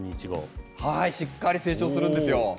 しっかり成長するんですよ。